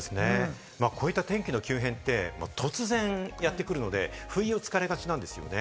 こういう天気の急変で突然やってくるので、不意を突かれがちなんですよね。